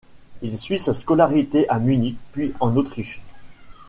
Il suit sa scolarité à Munich puis en Autriche.